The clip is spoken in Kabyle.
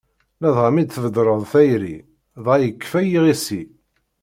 Ladɣa mi d-tbedreḍ tayri, dɣa yekfa yiɣisi.